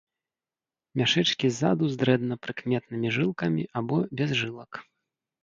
Мяшэчкі ззаду з дрэнна прыкметнымі жылкамі або без жылак.